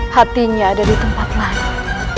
hatinya ada di tempat lain